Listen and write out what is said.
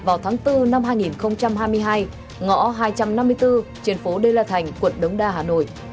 vào tháng bốn năm hai nghìn hai mươi hai ngõ hai trăm năm mươi bốn trên phố đê la thành quận đống đa hà nội